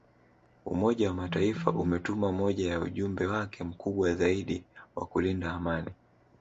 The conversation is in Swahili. Umoja wa Mataifa umetuma moja ya ujumbe wake mkubwa zaidi wa kulinda amani